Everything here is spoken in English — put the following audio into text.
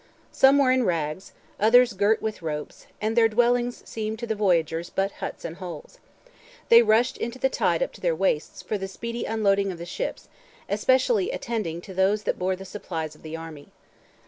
Some were in rags, others girt with ropes, and their dwellings seemed to the voyagers but huts and holes. They rushed into the tide up to their waists, for the speedy unloading of the ships, especially attending to those that bore the supplies of the army.